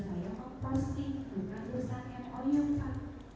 dalam contribusi secara sekitar ke